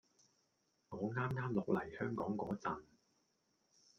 我啱啱落嚟香港嗰陣